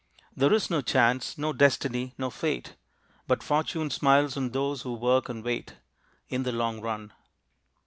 There is no Chance, no Destiny, no Fate, But Fortune smiles on those who work and wait, In the long run.